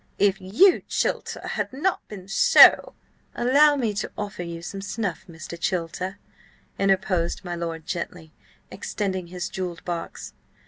"If you, Chilter had not been so—" "Allow me to offer you some snuff, Mr. Chilter," interposed my lord gently, extending his jewelled box.